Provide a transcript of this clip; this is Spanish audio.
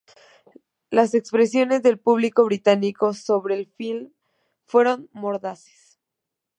Las expresiones del público británico sobre el film fueron mordaces.